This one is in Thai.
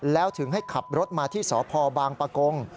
แล้วถึงให้ขับรถมาที่สพบางปะกง